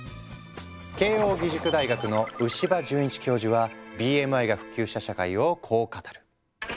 慶應義塾大学の牛場潤一教授はＢＭＩが普及した社会をこう語る。